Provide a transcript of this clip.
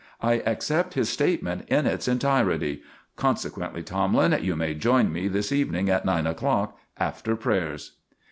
I accept his statement in its entirety; consequently, Tomlin, you may join me this evening, at nine o'clock, after prayers."